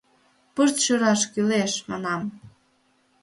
Пырт шӱраш кӱлеш, манам!